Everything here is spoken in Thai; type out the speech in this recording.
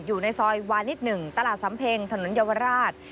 อยู่ในซอยวานิส๑ตลาดสำเพ็งถนนเยาวราช